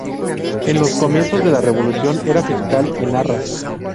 En los comienzos de la revolución era fiscal en Arras.